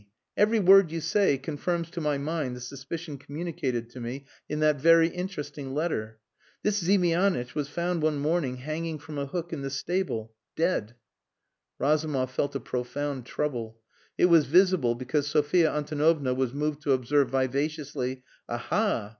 Every word you say confirms to my mind the suspicion communicated to me in that very interesting letter. This Ziemianitch was found one morning hanging from a hook in the stable dead." Razumov felt a profound trouble. It was visible, because Sophia Antonovna was moved to observe vivaciously "Aha!